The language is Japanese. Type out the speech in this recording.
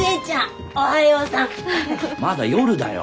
まだ夜だよ。